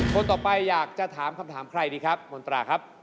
คนต่อไปอยากจะถามคำถามใครดีครับมนตราครับ